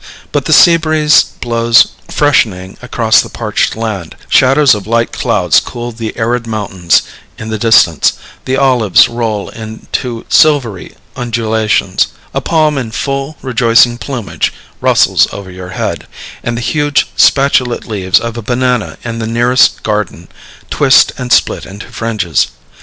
But the sea breeze blows freshening across the parched land; shadows of light clouds cool the arid mountains in the distance; the olives roll into silvery undulations; a palm in full, rejoicing plumage rustles over your head; and the huge spatulate leaves of a banana in the nearest garden twist and split into fringes.